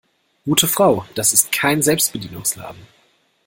Gute Frau, das ist kein Selbstbedienungsladen.